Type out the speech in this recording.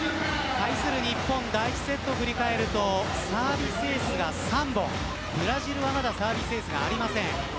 対する日本第１セットはサービスエースが３本ブラジルはまだサービスエースがありません。